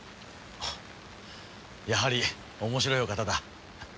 やはり面白いお方だ。